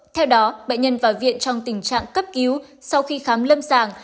theo đó bệnh nhân vào viện trong tình trạng cấp cứu sau khi khám lâm sàng